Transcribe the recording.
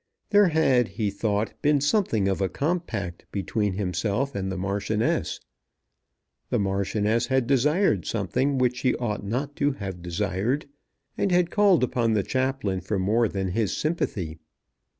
There had, he thought, been something of a compact between himself and the Marchioness. The Marchioness had desired something which she ought not to have desired, and had called upon the Chaplain for more than his sympathy.